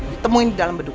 ditemui di dalam bedung